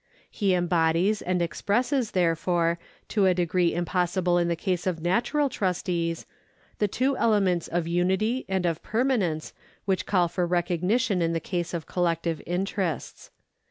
He embodies and expresses, therefore, to a degree impossible in the case of natural trustees, the two elements of unity and of permanence which 292 PERSONS [§ 117 call for recognition in the case of collective interests.